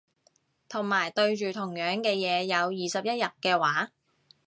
同埋對住同樣嘅嘢有二十一日嘅話